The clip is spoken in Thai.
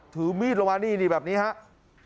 ถือมีดลงมานี่แบบนี้ครับ